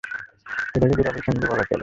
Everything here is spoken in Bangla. এটাকে দুরভিসন্ধি বলা চলে।